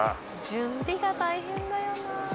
準備が大変だよな。